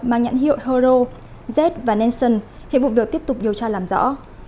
mang nhãn hiệu hero zed và nansen hiện vụ việc tiếp tục điều tra làm rõ